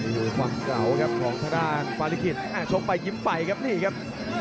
ดูความเก่าครับของธนาคฝาลิกินชงไปยิ้มไปกับนี่ครับ